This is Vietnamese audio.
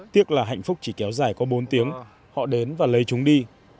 tiếc là hạnh phúc chỉ kéo dài có bốn tiếng họ đến và lấy chúng đi